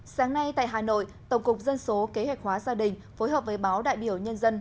sáng nay tại hà nội tổng cục dân số kế hoạch hóa gia đình phối hợp với báo đại biểu nhân dân